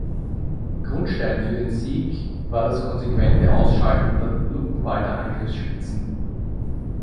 Grundstein für den Sieg war das konsequente Ausschalten der Luckenwalder Angriffsspitzen.